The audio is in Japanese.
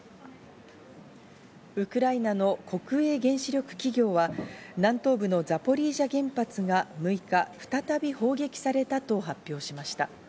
ウクライナの国営原子力企業は、南東部のザポリージャ原発が６日、再び砲撃されたと発表しました。